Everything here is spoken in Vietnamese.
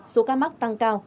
số ca mắc tăng cao